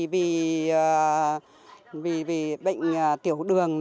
vì bệnh tiểu đường